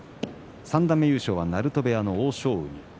三段目優勝は鳴戸部屋の欧勝海。